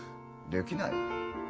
できない？